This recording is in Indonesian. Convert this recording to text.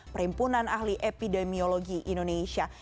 perhimpunan ahli epidemiologi indonesia